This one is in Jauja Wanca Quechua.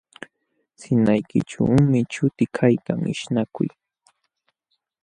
Sinqaykićhuumi chuti kaykan ishnakuy